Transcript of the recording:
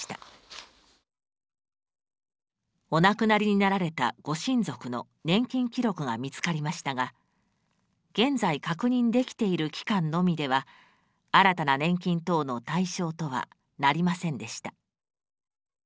「お亡くなりになられたご親族の年金記録が見つかりましたが現在確認できている期間のみでは新たな年金等の対象とはなりませんでした」。